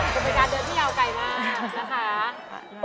ต้องไปการเดินที่ยาวไก่มากนะคะ